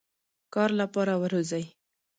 کار لپاره وروزی.